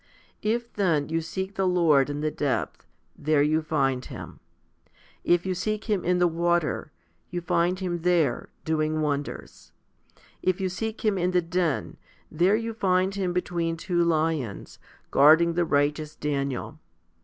If then, you seek the Lord in the depth, there you find Him. If you seek in the water, you find Him there, doing wonders. 1 If you seek Him in the den, there you find Him between two lions, guarding the righteous Daniel.